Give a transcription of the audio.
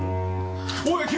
おい君！！